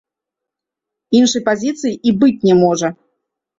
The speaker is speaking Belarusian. Іншай пазіцыі і быць не можа.